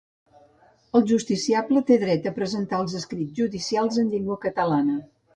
El justiciable té dret a presentar els escrits judicials en llengua catalana.